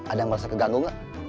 ada yang merasa keganggu nggak